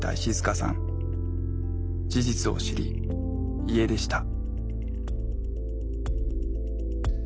事実を知り家出した。